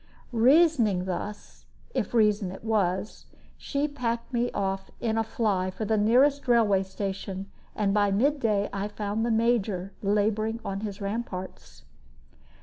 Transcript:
Reasoning thus if reason it was she packed me off in a fly for the nearest railway station, and by midday I found the Major laboring on his ramparts.